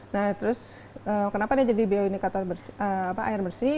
nah terus kenapa dia jadi bioindikator air bersih